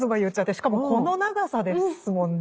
しかもこの長さですもんね。